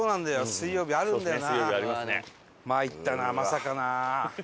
水曜日あるんだよな。